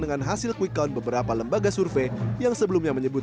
dengan hasil quick count beberapa lembaga survei yang sebelumnya menyebut